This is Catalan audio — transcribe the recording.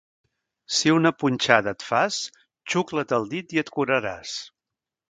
Si una punxada et fas, xucla't el dit i et curaràs.